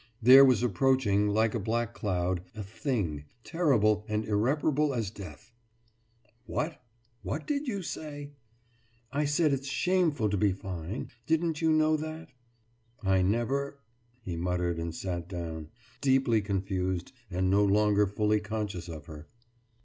There was approaching, like a black cloud, a Thing, terrible and irreparable as death. »What what did you say?« »I said it's shameful to be fine. Didn't you know that?« »I never « he muttered, and sat down, deeply confused and no longer fully conscious of her.